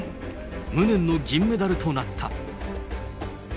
無念の銀メダルとなった。